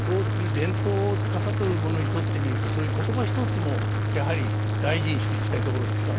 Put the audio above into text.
伝統をつかさどる者にとってみるとそういう言葉一つもやはり大事にしていきたいところですよね。